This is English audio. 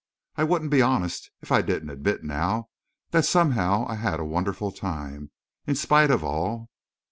I wouldn't be honest if I didn't admit now that somehow I had a wonderful time, in spite of all....